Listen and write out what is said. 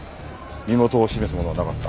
身元を示すものはなかった。